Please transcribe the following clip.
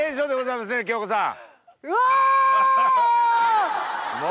うわ！